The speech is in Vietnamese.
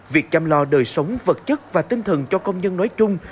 việc chăm lo đời sống vật chất và tinh thần cho công nhân nói chung